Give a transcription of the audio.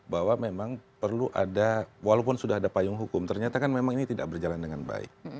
bahwa memang perlu ada walaupun sudah ada payung hukum ternyata kan memang ini tidak berjalan dengan baik